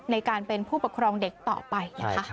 ในการเป็นผู้ปกครองเด็กต่อไปนะคะ